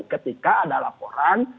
ketika ada laporan